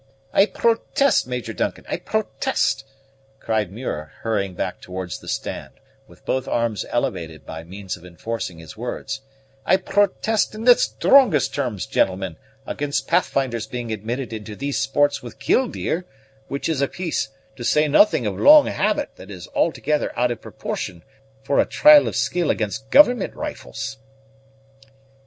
"I protest, Major Duncan, I protest," cried Muir hurrying back towards the stand, with both arms elevated by way of enforcing his words, "I protest in the strongest terms, gentlemen, against Pathfinder's being admitted into these sports with Killdeer, which is a piece, to say nothing of long habit that is altogether out of proportion for a trial of skill against Government rifles."